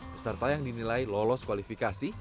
peserta yang dinilai lolos kualifikasi